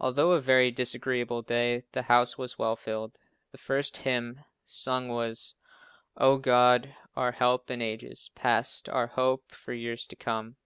Although a very disagreeable day, the house was well filled. The first hymn sung was "Oh God our help in ages past, our hope for years to come."